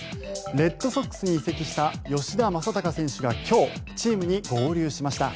レッドソックスに移籍した吉田正尚選手が今日、チームに合流しました。